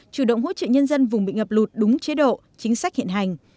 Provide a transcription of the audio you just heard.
chủ động hỗ trợ nhân dân vùng bị ngập lụt đúng chế độ chính sách hiện hành